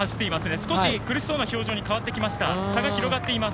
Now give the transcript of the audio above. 少し苦しそうな表情に変わってきました。